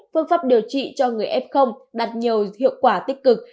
phương pháp điều trị cho người f đạt nhiều hiệu quả tích cực